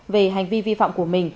về hành vi vi phạm của mình